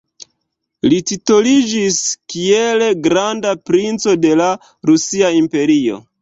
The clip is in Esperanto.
Li titoliĝis kiel granda princo de la Rusia Imperio.